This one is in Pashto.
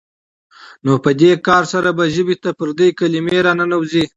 نو په دې کار سره به ژبې ته پردۍ کلمې راننوځي.